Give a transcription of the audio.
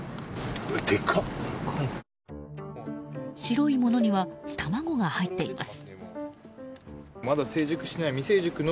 白いものには卵が入っています。